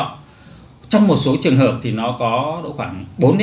trong một số trường hợp thì nó có độ khoảng bốn mươi